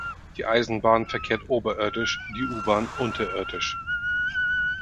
Die Eisenbahn verkehrt oberirdisch, die U-Bahn unterirdisch.